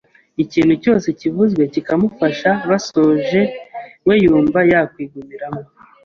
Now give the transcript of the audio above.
ikintu cyose kivuzwe kikamufasha basoje we yumva yakwigumiramo